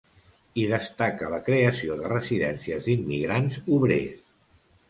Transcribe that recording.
Hi destaca la creació de residències d'immigrants obrers.